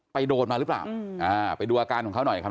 โดนมาหรือเปล่าไปดูอาการของเขาหน่อยครับ